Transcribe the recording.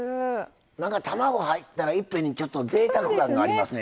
なんか卵入ったらいっぺんにぜいたく感がありますね。